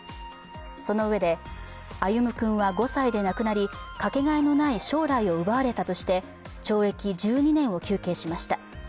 そのうえで、歩夢君は５歳で亡くなりかけがえのない将来を奪われたとして懲役１２年を求刑しました。